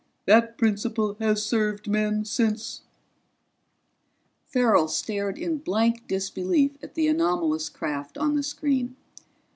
That principle has served men since." Farrell stared in blank disbelief at the anomalous craft on the screen.